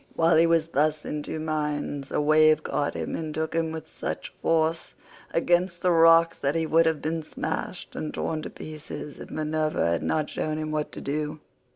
While he was thus in two minds a wave caught him and took him with such force against the rocks that he would have been smashed and torn to pieces if Minerva had not shown him what to do.